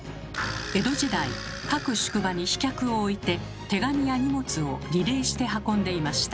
江戸時代各宿場に飛脚を置いて手紙や荷物をリレーして運んでいました。